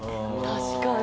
確かに。